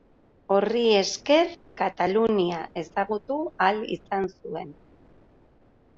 Horri esker Katalunia ezagutu ahal izan zuen.